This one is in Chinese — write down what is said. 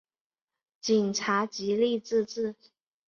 警察极力自制